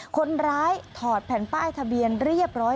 ถอดแผ่นป้ายทะเบียนเรียบร้อย